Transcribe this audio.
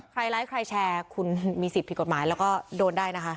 ไลค์ใครแชร์คุณมีสิทธิ์ผิดกฎหมายแล้วก็โดนได้นะคะ